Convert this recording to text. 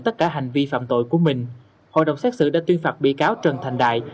tất cả hành vi phạm tội của mình hội đồng xét xử đã tuyên phạt bị cáo trần thành đại